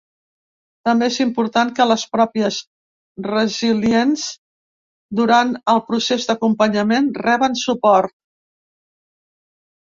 També és important que les pròpies resilients, durant el procés d’acompanyament, reben suport.